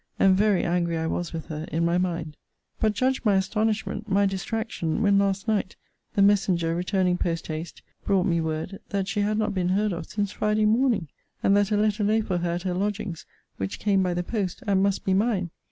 And very angry I was with her in my mind. But, judge my astonishment, my distraction, when last night, the messenger, returning post haste, brought me word, that she had not been heard of since Friday morning! and that a letter lay for her at her lodgings, which came by the post; and must be mine!